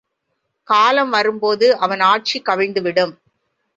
காலம் வரும்போது அவன் ஆட்சி கவிழ்ந்துவிடும்.